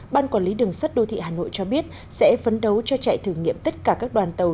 ban quản lý đường sắt đô thị hà nội cho biết sẽ phấn đấu cho chạy thử nghiệm tất cả các đoàn tàu